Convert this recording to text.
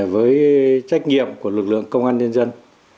với trách nhiệm của lực lượng công an nhân dân